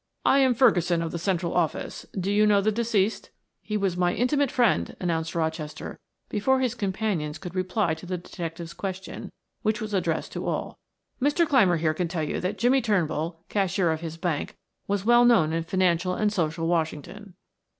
"I am Ferguson of the Central Office. Do you know the deceased?" "He was my intimate friend," announced Rochester before his companions could reply to the detective's question, which was addressed to all. "Mr. Clymer, here, can tell you that Jimmie Turnbull, cashier of his bank, was well known in financial and social Washington."